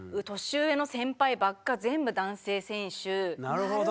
なるほど。